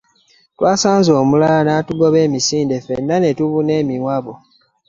Twasanze omulalu n'atugoba emisinde ffenna ne tubuna emiwabo.